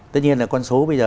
tất nhiên là con số bây giờ